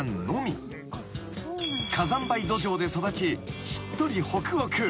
［火山灰土壌で育ちしっとりほくほく］